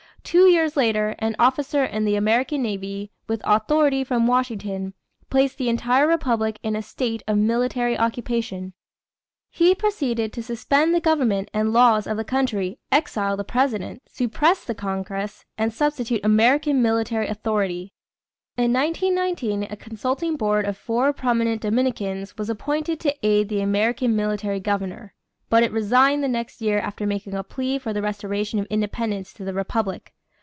Two years later, an officer in the American navy, with authority from Washington, placed the entire republic "in a state of military occupation." He proceeded to suspend the government and laws of the country, exile the president, suppress the congress, and substitute American military authority. In 1919 a consulting board of four prominent Dominicans was appointed to aid the American military governor; but it resigned the next year after making a plea for the restoration of independence to the republic.